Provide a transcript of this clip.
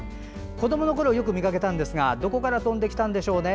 子どものころよく見かけたんですがどこから飛んできたんでしょうね。